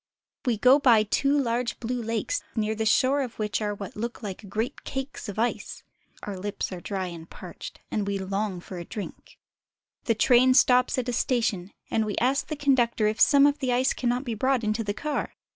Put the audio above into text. We go by two large blue lakes, near the shores of which NITRATE DESERT. lOI are what look like great cakes of ice. Our lips are dry and parched, and we long for a drink. The train stops at a station, and we ask the conductor if some of the ice cannot be brought into the car.